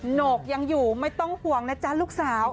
โหนกยังอยู่ไม่ต้องห่วงนะจ๊ะลูกสาว